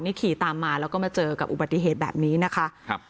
นี่ขี่ตามมาแล้วก็มาเจอกับอุบัติเหตุแบบนี้นะคะครับ